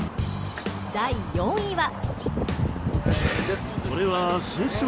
第４位は。